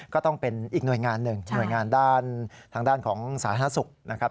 ก็ต้องเป็นอีกหน่วยงานหนึ่งหน่วยงานด้านทางด้านของสาธารณสุขนะครับ